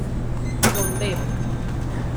Con Dep.